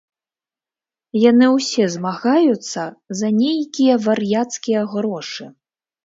Яны ўсе змагаюцца за нейкія вар'яцкія грошы.